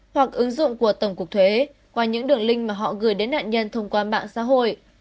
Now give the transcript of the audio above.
hoặc ứng dụng của tổng cục thuế qua những đường link mà họ gửi đến nạn nhân thông qua mạng xã hội